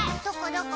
どこ？